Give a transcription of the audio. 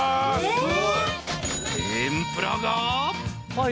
天ぷらが。